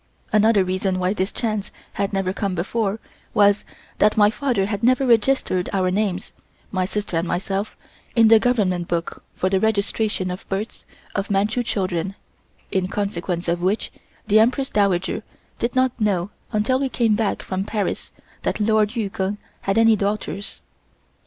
Another reason why this chance had never come before was, that my father had never registered our names (my sister and myself) in the Government book for the registration of births of Manchu children, in consequence of which the Empress Dowager did not know until we came back from Paris that Lord Yu Keng had any daughters.